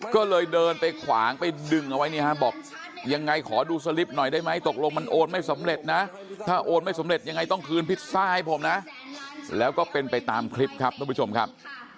ก็เลยเดินไปขวางไปดึงเอาไว้เนี่ยฮะบอกยังไงขอดูสลิปหน่อยได้ไหมตกลงมันโอนไม่สำเร็จนะถ้าโอนไม่สำเร็จยังไงต้องคืนพิซซ่าให้ผมนะแล้วก็เป็นไปตามคลิปครับท่านผู้ชมครับ